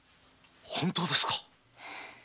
本当ですか？